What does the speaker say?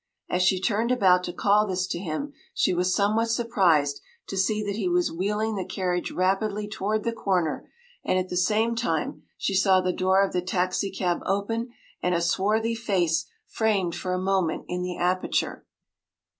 As she turned about to call this to him she was somewhat surprised to see that he was wheeling the carriage rapidly toward the corner, and at the same time she saw the door of the taxicab open and a swarthy face framed for a moment in the aperture.